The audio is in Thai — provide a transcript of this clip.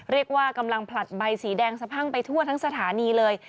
เรียกว่ากำลังผลัดใบสีแดงสะพั่งไปทั่วทั้งสถานีเลย